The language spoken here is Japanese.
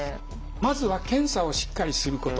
まずは検査をしっかりすること。